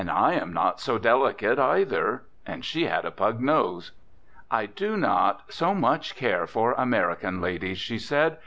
I am not so delicate, either. And she had a pug nose. "I do not so much care for American ladies," she said.